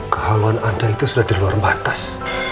kehalauan ada itu sudah di luar batas